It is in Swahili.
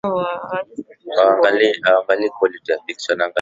lililoitwa harakati lililoendesha shughuli zake kisiri